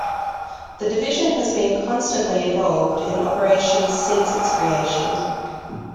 The division has been constantly involved in operations since its creation.